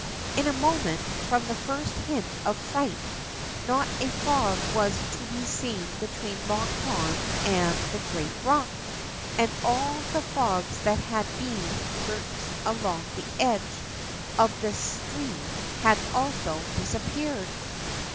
In a moment, from the first hint of fright, not a frog was to be seen between Long Pond and the great rock. And all the frogs that had been perched along the edge of the stream had also, disappeared.